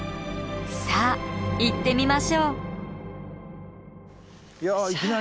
さあ行ってみましょう。